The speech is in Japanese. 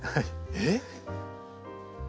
えっ？